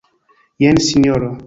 Jen, Sinjoro.